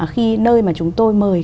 khi nơi mà chúng tôi mời